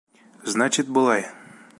Значит, былай.